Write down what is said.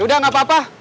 udah nggak apa apa